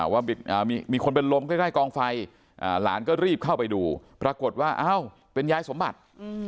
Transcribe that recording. ว่ามีคนเป็นลมใกล้กองไฟหลานก็รีบเข้าไปดูปรากฏว่าอ้าวเป็นยายสมบัติ